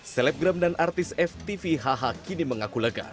selebgram dan artis ftvhh kini mengaku lega